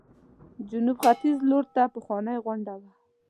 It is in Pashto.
جنوب ختیځ لورته پخوانۍ غونډۍ وه.